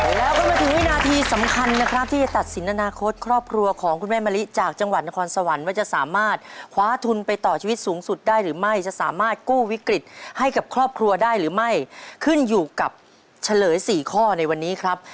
แล้วก็มาถึงวินาทีสำคัญนะครับที่จะตัดสินอนาคตครอบครัวของคุณแม่มะลิจากจังหวัดนครสวรรค์ว่าจะสามารถคว้าทุนไปต่อชีวิตสูงสุดได้หรือไม่จะสามารถกู้วิกฤตให้กับครอบครัวได้หรือไม่ขึ้นอยู่กับเฉลย๔ข้อในวันนี้ครับ